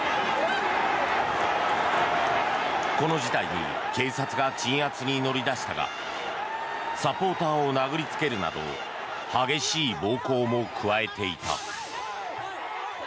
この事態に警察が鎮圧に乗り出したがサポーターを殴りつけるなど激しい暴行も加えていた。